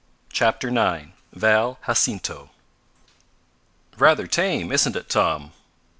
CHAPTER IX VAL JACINTO "Rather tame, isn't it, Tom?"